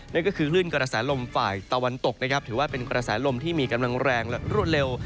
นั่นก็คือคลื่นกระแสลมฝ่ายตะวันตกนะครับถือว่าเป็นกระแสลมที่มีกำลังแรงและรวดเร็ว